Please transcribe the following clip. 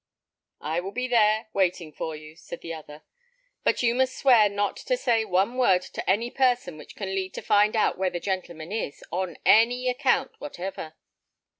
"I will be there waiting for you," said the other; "but you must swear not to say one word to any person which can lead people to find out where the gentleman is, on any account whatever."